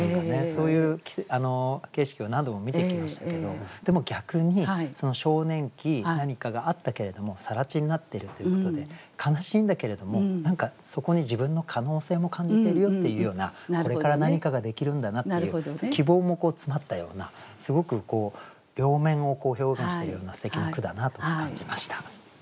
そういう景色を何度も見てきましたけどでも逆に少年期何かがあったけれども更地になっているということで悲しいんだけれども何かそこに自分の可能性も感じてるよっていうようなこれから何かができるんだなっていう希望も詰まったようなすごく両面を表現しているようなすてきな句だなと感じました。